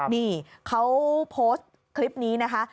นี่เขาโพสต์คลิปนี้นะคะ